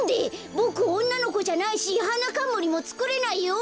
ボクおんなのこじゃないしはなかんむりもつくれないよ！